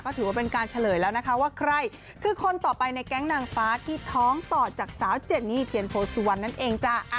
ถือว่าเป็นการเฉลยแล้วนะคะว่าใครคือคนต่อไปในแก๊งนางฟ้าที่ท้องต่อจากสาวเจนี่เทียนโพสุวรรณนั่นเองจ้ะ